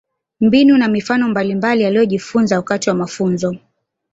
Mbinu na mifano mbalimbali aliyojifunza wakati wa mafunzo